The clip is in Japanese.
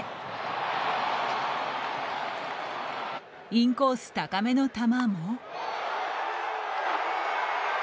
インコース高めの球も。